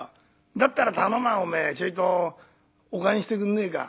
だったら頼むわおめえちょいとお燗してくんねえか」。